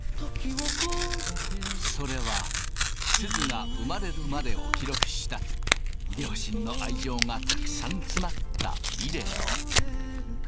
それはすずが産まれるまでを記録した両親の愛情がたくさん詰まったビデオ。